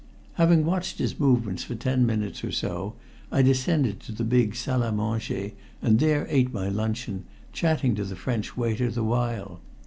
Having watched his movements for ten minutes or so I descended to the big salle à manger and there ate my luncheon, chatting to the French waiter the while.